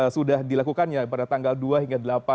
sudah dilakukannya pada tanggal dua hingga delapan